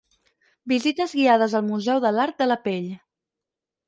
Visites guiades al Museu de l'Art de la Pell.